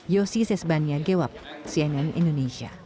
yosi sesbanya gwap cnn indonesia